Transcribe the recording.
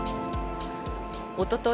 おととい